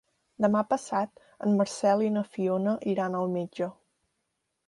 Demà passat en Marcel i na Fiona iran al metge.